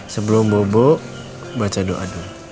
sebelum bobo baca doa dulu